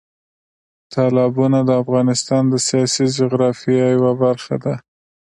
تالابونه د افغانستان د سیاسي جغرافیه یوه برخه ده.